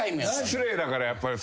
失礼だからやっぱり。